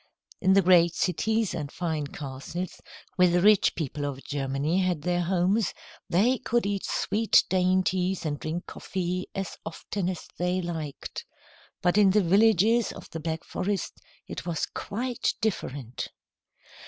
In the great cities and fine castles, where the rich people of Germany had their homes, they could eat sweet dainties and drink coffee as often as they liked. But in the villages of the Black Forest, it was quite different.